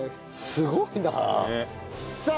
すごいなあ。